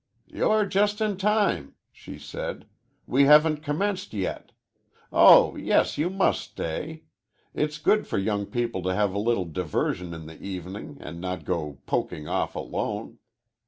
"You're just in time," she said. "We haven't commenced yet. Oh, yes, you must stay. It's good for young people to have a little diversion in the evening and not go poking off alone.